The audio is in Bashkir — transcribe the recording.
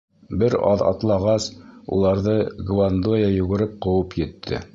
Бер аҙ атлағас, уларҙы Гвандоя йүгереп ҡыуып етте.